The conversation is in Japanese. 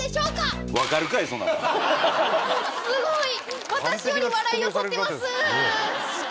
すごい。